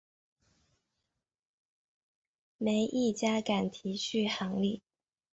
没一家敢提续航力